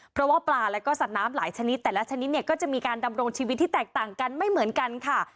เพราะว่าปลาแล้วก็สัตว์น้ำหลายชนิดแต่ละชนิดเนี่ยก็จะมีการดำรงชีวิตที่แตกต่างกันไม่เหมือนกันค่ะ